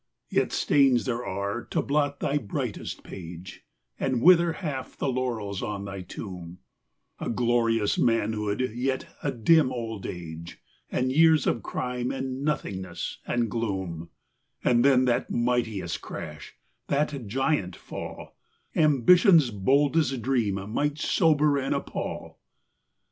VII. Yet stains there are to blot thy brightest page, And wither half the laurels on thy tomb ; A glorious manhood, yet a dim old age, And years of crime, and nothingness, and gloom : And then that mightiest crash, that giant fall, Ambition's boldest dream might sober and appal. VIII.